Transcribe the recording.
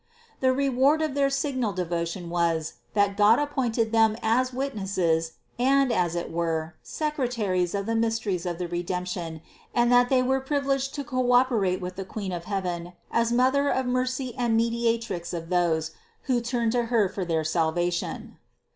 The reward of their signal devotion was, that God appointed them as witnesses and, as it were, secretaries of the mysteries of the Redemption and that they were privileged to cooperate with the Queen of heaven as Mother of mercy and Mediatrix of those, who turn to Her for their salvation.